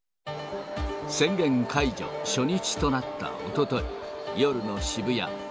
宣言解除初日となったおととい、夜の渋谷。